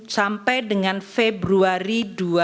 sampai dengan februari dua ribu dua puluh